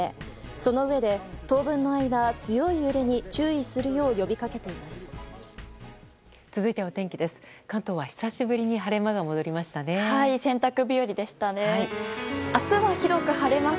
そのうえで当分の間、強い揺れに注意するよう呼びかけています。